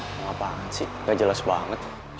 emang apaan sih gak jelas banget